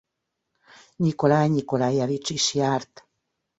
Nyikolaj Nyikolajevics is járt.